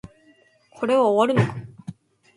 これは終わるのか